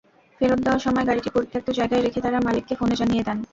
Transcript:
ফেরত দেওয়ার সময় গাড়িটি পরিত্যক্ত জায়গায় রেখে তাঁরা মালিককে ফোনে জানিয়ে দেন।